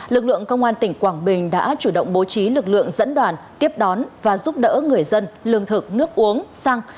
lực lượng công an tỉnh quảng bình đã chủ động bố trí lực lượng dẫn đoàn tiếp đón và giúp đỡ người dân lương thực nước uống xăng